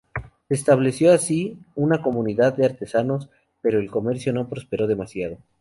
Se estableció así una comunidad de artesanos, pero el comercio no prosperó demasiado.